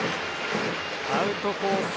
アウトコース